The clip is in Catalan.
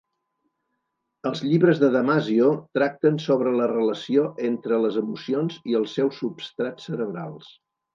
Els llibres de Damasio tracten sobre la relació entre les emocions i els seus substrats cerebrals.